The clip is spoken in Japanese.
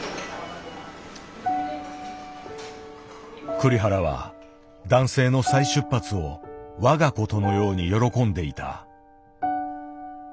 栗原は男性の再出発を我がことのように喜んでいた。